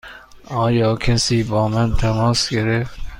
آیا کسی با من تماس گرفت؟